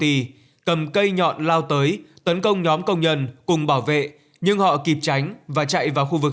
thì cầm cây nhọn lao tới tấn công nhóm công nhân cùng bảo vệ nhưng họ kịp tránh và chạy vào khu vực